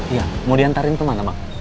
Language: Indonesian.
iya mau diantarin ke mana pak